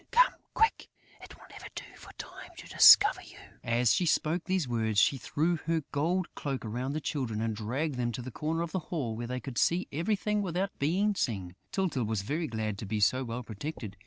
"Come quick: it will never do for Time to discover you." As she spoke these words, she threw her gold cloak around the Children and dragged them to a corner of the hall, where they could see everything, without being seen. Tyltyl was very glad to be so well protected.